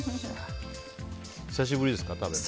久しぶりですか、食べるの。